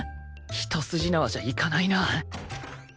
一筋縄じゃいかないな